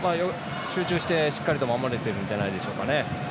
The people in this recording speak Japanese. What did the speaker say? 集中してしっかり守れてるんじゃないでしょうかね。